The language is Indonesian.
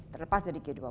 terlepas dari g dua puluh